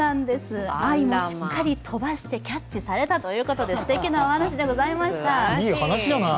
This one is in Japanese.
愛もしっかり飛ばしてキャッチされたということですてきなお話でございました。